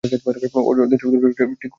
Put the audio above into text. ওদের চোখদুটো ঠিকরে বের হয়েছিলো।